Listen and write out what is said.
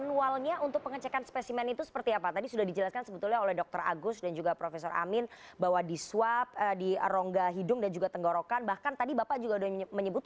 untuk peralat pengetuahannya tersebut